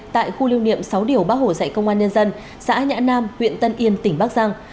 tại khu lưu niệm sáu điều bác hồ dạy công an nhân dân xã nhã nam huyện tân yên tỉnh bắc giang